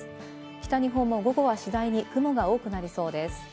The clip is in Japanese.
北日本も午後は次第に雲が多くなりそうです。